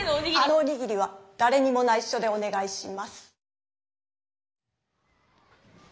あのおにぎりはだれにもないしょでおねがいします。